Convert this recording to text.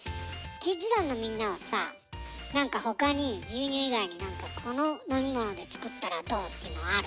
キッズ団のみんなはさ何かほかに牛乳以外にこの飲み物で作ったらどう？っていうのはある？